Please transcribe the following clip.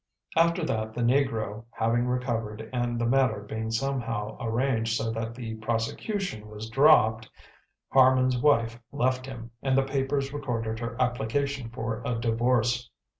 After that, the negro having recovered and the matter being somehow arranged so that the prosecution was dropped, Harman's wife left him, and the papers recorded her application for a divorce.